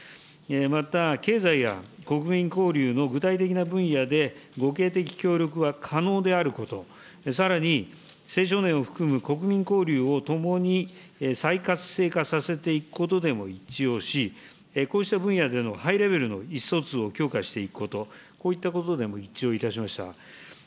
また、経済や国民交流の具体的な分野で互恵的協力が可能であること、さらに青少年を含む国民交流を共に再活性化させていくことでも一致をし、こうした分野でのハイレベルの意思疎通を強化していくこと、こういったことでも一致をいたしました。